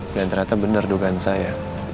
dan ternyata benar dugaan saya